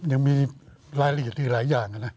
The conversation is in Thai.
ยังมีรายละเอียดอีกหลายอย่างนะ